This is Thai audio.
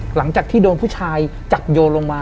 หลังจากที่โดนผู้ชายจับโยนลงมา